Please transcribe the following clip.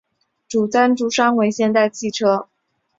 主赞助商为现代汽车。